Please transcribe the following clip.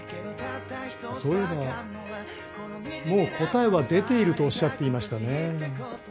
そういえばもう答えは出ているとおっしゃっていましたね。